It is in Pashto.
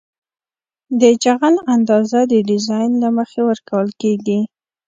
د جغل اندازه د ډیزاین له مخې ورکول کیږي